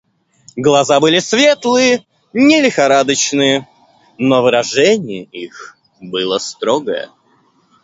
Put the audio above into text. Глаза были светлые, не лихорадочные, но выражение их было строгое.